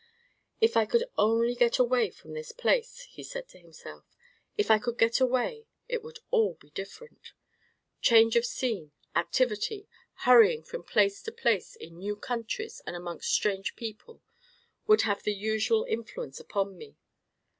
"If I could only get away from this place," he said to himself; "if I could get away, it would all be different. Change of scene, activity, hurrying from place to place in new countries and amongst strange people, would have the usual influence upon me.